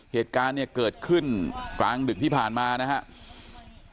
เหตุการณ์เนี่ยเกิดขึ้นกลางดึกที่ผ่านมานะครับ